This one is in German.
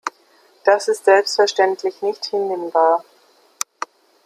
Das ist selbstverständlich nicht hinnehmbar.